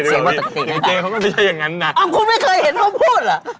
เสียงว่าตะเตียงนะครับอ้าวคุณไม่เคยเห็นเขาพูดเหรอ